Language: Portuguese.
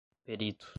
perito